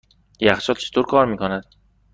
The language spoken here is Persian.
یخچال چطور کار میکند؟